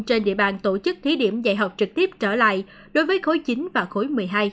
trên địa bàn tổ chức thí điểm dạy học trực tiếp trở lại đối với khối chín và khối một mươi hai